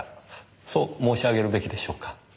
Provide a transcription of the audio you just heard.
そう申し上げるべきでしょうか。